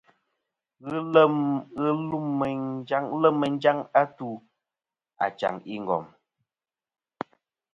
Ghɨ lum ma' njaŋ a tu achaŋ i ngom.